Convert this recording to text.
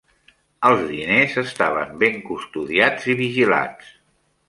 Els diners estaven ben custodiats i vigilats.